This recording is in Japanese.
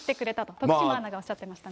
徳島アナがおっしゃっていましたね。